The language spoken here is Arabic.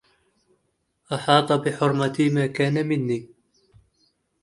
أَحاط بحرمتي ما كان مني